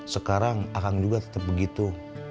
sekarang akang juga tetap begitu